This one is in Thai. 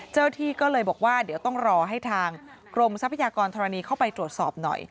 เจ้าหน้าที่ก็เลยบอกว่าเดี๋ยวต้องรอให้ทางกรมทรัพยากรธรณีเข้าไปตรวจสอบหน่อย